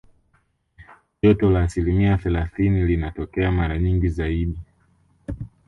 Joto la asilimia thelathini linatokea mara nyingi zaidi